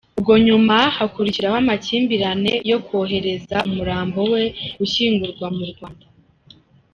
Ubwo nyuma hakurikiraho amakimbirane yo kwohereza umurambo we gushyingurwa mu Rwanda.